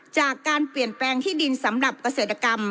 จากการเปลี่ยนแปลงที่ดินสำหรับเกษตรกรรม